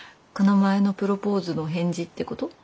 この前のプロポーズの返事ってこと？